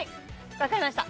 わかりました。